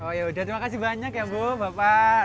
oh ya udah terima kasih banyak ya bu bapak